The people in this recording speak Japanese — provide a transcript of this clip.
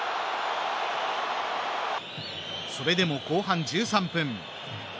それでも後半１３分。